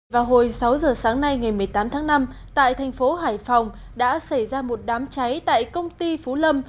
vào hồi sáu giờ sáng nay ngày một mươi tám tháng năm tại thành phố hải phòng đã xảy ra một đám cháy tại công ty phú lâm